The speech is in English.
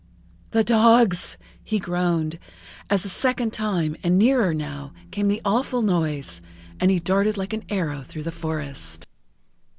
"The dogs!" he groaned, as a second time, and nearer now, came the awful noise, and he darted like an arrow through the forest.